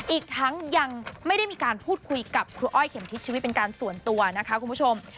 อีกทั้งยังไม่ได้มีการพูดคุยกับครูอ้อยเข็มทิศชีวิตเป็นการส่วนตัวนะคะคุณผู้ชม